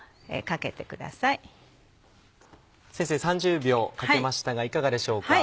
先生３０秒かけましたがいかがでしょうか。